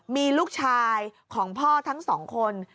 มีลูกชายของพ่อทั้งสองคน